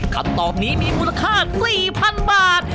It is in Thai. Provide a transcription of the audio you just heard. คำตอบนี้มีมูลค่า๔๐๐๐บาท